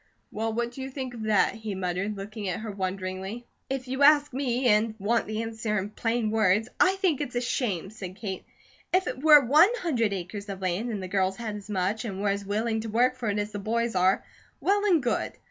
"Well, what do you think of that?" he muttered, looking at her wonderingly. "If you ask me, and want the answer in plain words, I think it's a shame!" said Kate. "If it were ONE HUNDRED acres of land, and the girls had as much, and were as willing to work it as the boys are, well and good.